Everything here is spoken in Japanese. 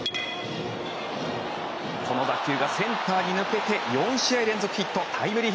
この打球がセンターに抜けて４試合連続ヒットがタイムリー！